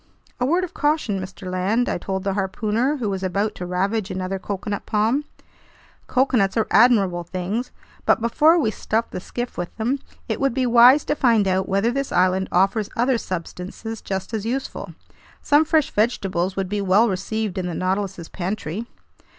"A word of caution, Mr. Land," I told the harpooner, who was about to ravage another coconut palm. "Coconuts are admirable things, but before we stuff the skiff with them, it would be wise to find out whether this island offers other substances just as useful. Some fresh vegetables would be well received in the Nautilus's pantry."